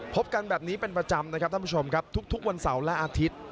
พบกันแบบนี้เป็นประจำนะครับท่านผู้ชมครับทุกวันเสาร์และอาทิตย์